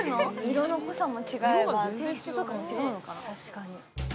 色の濃さも違えば、テイストとかも違うのかな。